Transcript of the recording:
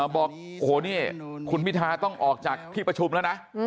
บอกโอ้โหนี่คุณพิทาต้องออกจากที่ประชุมแล้วนะ